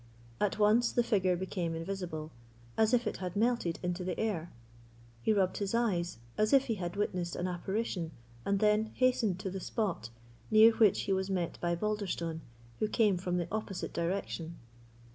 At once the figure became invisible, as if it had melted into the air. He rubbed his eyes, as if he had witnessed an apparition, and then hastened to the spot, near which he was met by Balderstone, who came from the opposite direction.